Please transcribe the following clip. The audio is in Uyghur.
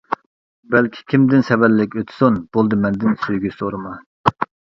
بەلكى كىمدىن سەۋەنلىك ئۆتسۇن، بولدى مەندىن سۆيگۈ سورىما.